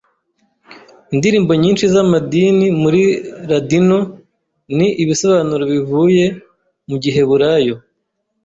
Indirimbo nyinshi z’amadini muri Ladino ni ibisobanuro bivuye mu giheburayo.